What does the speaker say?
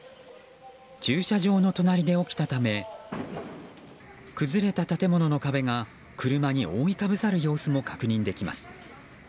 駐車場の隣で起きたため崩れた建物の壁が車に覆いかぶさる様子も確認できます。